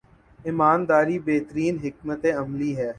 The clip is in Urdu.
ایمان داری بہترین حکمت عملی ہے۔